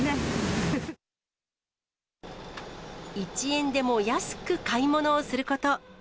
１円でも安く買い物をすること。